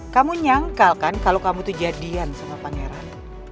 kamu nyangkalkan kalo kamu tuh jadian sama pangeran